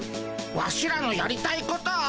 ワシらのやりたいことを？